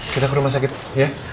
kita ke rumah sakit ya